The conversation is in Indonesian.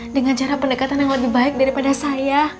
dengan cara pendekatan yang lebih baik daripada saya